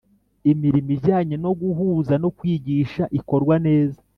Imirimo ijyanye no guhuza no kwigisha ikorwa neza